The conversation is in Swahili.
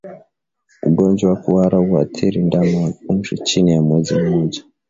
Ugonjwa wa kuhara huathiri ndama wa umri chini ya mwezi mmoja